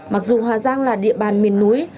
mặc dù hà giang là địa bàn miền núi